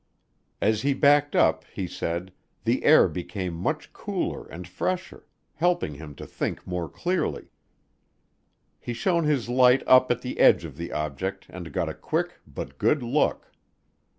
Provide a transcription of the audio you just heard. As he backed up, he said, the air became much cooler and fresher, helping him to think more clearly. He shone his light up at the edge of the object and got a quick but good look.